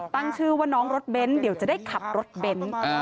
ตั้งชื่อว่าน้องรถเบ้นเดี๋ยวจะได้ขับรถเบนท์